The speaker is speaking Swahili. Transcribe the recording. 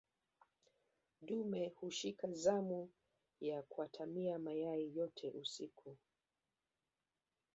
dume hushika zamu ya kuatamia mayai yote usiku